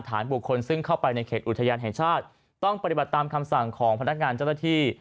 ฐานบุคคลซึ่งเข้าไปในเขตอุทยานแห่งชาติต้องปฏิบัติตามคำสั่งของพนักงานเจ้าหน้าที่